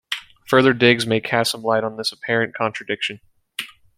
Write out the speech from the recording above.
Further digs may cast some light on this apparent contradiction.